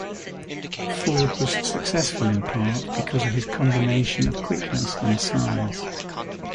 Ford was successful in part because of his combination of quickness and size.